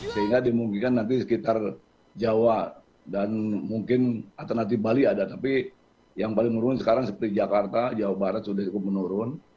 sehingga dimungkinkan nanti sekitar jawa dan mungkin alternatif bali ada tapi yang paling menurun sekarang seperti jakarta jawa barat sudah cukup menurun